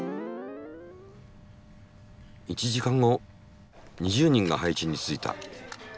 １時間後２０人が配置についた。